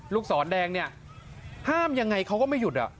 ศรแดงเนี่ยห้ามยังไงเขาก็ไม่หยุด